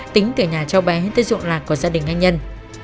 tính kể nhà cháu bé tới dụng lạc của gia đình anh nhân